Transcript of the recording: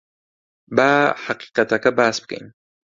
با ھەقیقەتەکە باس بکەین.